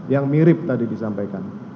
yang mirip tadi disampaikan